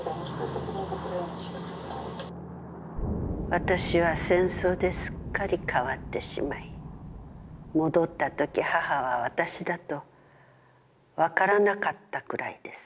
「私は戦争ですっかり変わってしまい、戻ったとき母は私だと分からなかったくらいです。